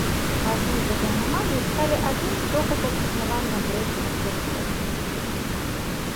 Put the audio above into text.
Пазней гэтыя анамаліі сталі адным з доказаў існавання дрэйфу мацерыкоў.